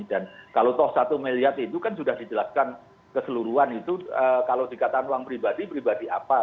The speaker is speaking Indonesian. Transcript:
dan kalau toh satu miliar itu kan sudah dijelaskan keseluruhan itu kalau dikatakan uang pribadi pribadi apa